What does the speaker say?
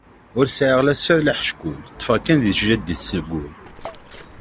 Ur sɛiɣ la sser la d aḥeckul, ṭfeɣ kan di tjaddit seg wul.